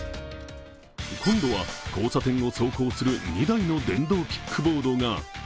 今度は交差点を走行する２台の電動キックボードが。